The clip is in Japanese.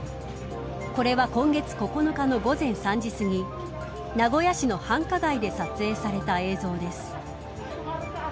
これは今月９日の午前３時すぎ名古屋市の繁華街で撮影された映像です。